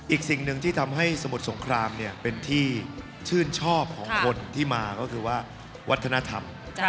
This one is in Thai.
อีกสิ่งหนึ่งที่ทำให้สมุทรสงครามเป็นที่ชื่นชอบของคนที่มาก็คือว่าวัฒนธรรม